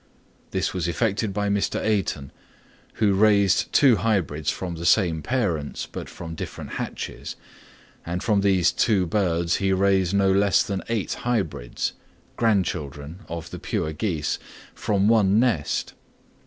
This was effected by Mr. Eyton, who raised two hybrids from the same parents, but from different hatches; and from these two birds he raised no less than eight hybrids (grandchildren of the pure geese) from one nest.